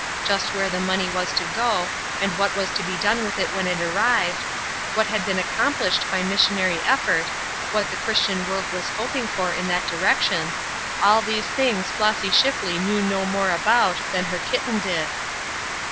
Just where the money was to go, and just what was to be done with it when it arrived, what had been accomplished by missionary effort, what the Christian world was hoping for in that direction all these things Flossy Shipley knew no more about than her kitten did.